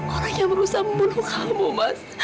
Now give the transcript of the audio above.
orang yang berusaha membunuh kamu mas